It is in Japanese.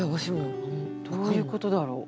どういうことだろう。